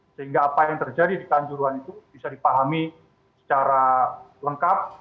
sehingga apa yang terjadi di kanjuruan itu bisa dipahami secara lengkap